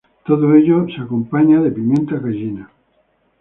Todo ello es acompañado de pimienta cayena.